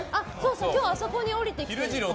今日あそこに降りてきて。